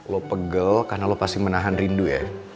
lo pegel karena lo pasti menahan rindu ya